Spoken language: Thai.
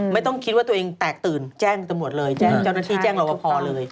ไม่ต้องคิดว่าตัวเองแตกตื่นแจ้งตำรวจเลยแจ้งเจ้าหน้าที่แจ้งรอปภเลย